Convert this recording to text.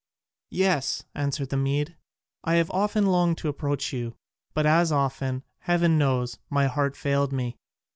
"Yes," answered the Mede, "I have often longed to approach you, but as often, heaven knows, my heart failed me."